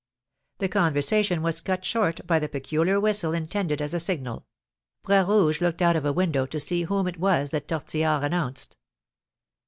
The conversation was cut short by the peculiar whistle intended as a signal. Bras Rouge looked out of a window to see whom it was that Tortillard announced.